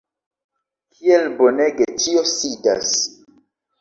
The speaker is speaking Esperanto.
kiel bonege ĉio sidas!